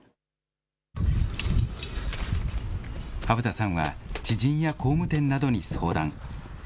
羽重田さんは、知人や工務店などに相談。